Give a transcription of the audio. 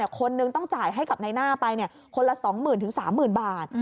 คนนึงต้องจ่ายให้กับนายหน้าไปคนละ๒๐๐๐๓๐๐บาท